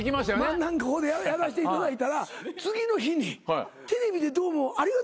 漫談ここでやらせていただいたら次の日に「テレビでどうもありがとうございます」